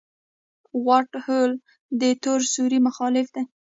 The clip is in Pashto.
د وائټ هول د تور سوري مخالف دی.